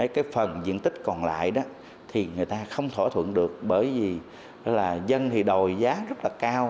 cái phần diện tích còn lại đó thì người ta không thỏa thuận được bởi vì là dân thì đòi giá rất là cao